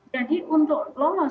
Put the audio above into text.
jadi untuk lolos